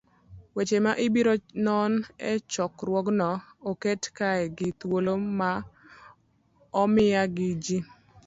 Weche ma ibiro non e chokruogno oket kae gi thuolo ma omiya gi ji